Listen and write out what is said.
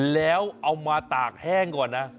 แล้วเอามาตากแห้งก่อนนะ